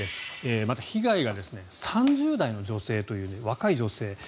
また、被害が３０代の女性という若い女性。